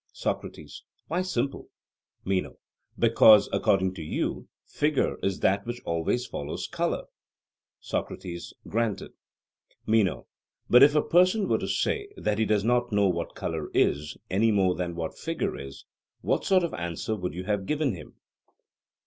SOCRATES: Why simple? MENO: Because, according to you, figure is that which always follows colour. (SOCRATES: Granted.) MENO: But if a person were to say that he does not know what colour is, any more than what figure is what sort of answer would you have given him?